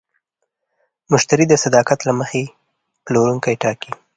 مشتری د صداقت له مخې پلورونکی ټاکي.